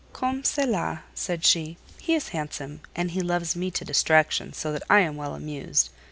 "Comme cela," said she: "he is handsome, and he loves me to distraction, so that I am well amused.